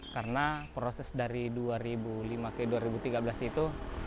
karena proses dari dua ribu lima ke dua ribu tiga belas itu